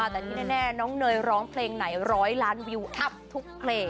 แต่ที่แน่น้องเนยร้องเพลงไหน๑๐๐ล้านวิวอัพทุกเพลง